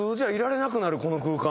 この空間。